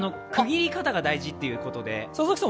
区切り方が大事っていうことです。